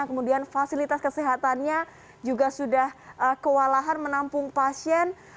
kemudian fasilitas kesehatannya juga sudah kewalahan menampung pasien